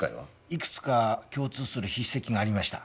いくつか共通する筆跡がありました。